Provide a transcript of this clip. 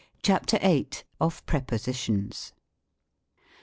CHAPTER VIII. OF PREPOSITIONS.